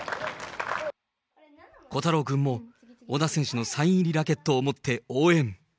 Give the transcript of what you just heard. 琥太郎君も、小田選手のサイン入りラケットを持って応援。